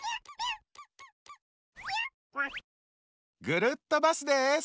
ぐるっとバスです。